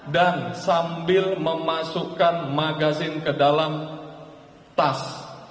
dan sambil memasukkan minuman